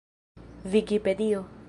vikipedio